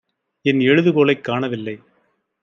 என் எழுதுகோலைக் காணவில்லை.